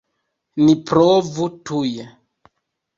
Ni provu tuj!